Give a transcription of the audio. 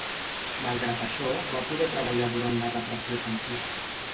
Malgrat això, va poder treballar durant la repressió franquista?